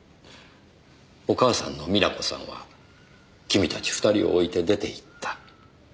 お母さんの美奈子さんは君たち２人を置いて出て行った。